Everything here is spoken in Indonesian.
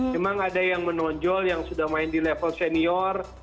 memang ada yang menonjol yang sudah main di level senior